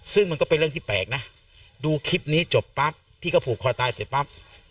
๒๓ทุ่มปรากฏว่าพอดูคลิปนี้จบปั๊บประมาณ๒๒วินาทีมันก็เรื่องแปลก